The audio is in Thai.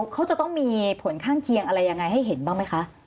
เขาจะต้องมีผลข้างเคียงอะไรยังไงให้เห็นบ้างไหมคะ